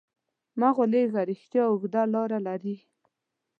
مه غولېږه، رښتیا اوږده لاره لري.